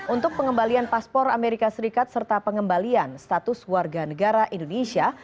untuk pengembalian paspor amerika serikat serta pengembalian status warga negara indonesia